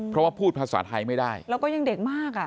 เพราะว่าพูดภาษาไทยไม่ได้แล้วก็ยังเด็กมากอ่ะ